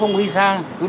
chú đi xa chú phải đổi mũ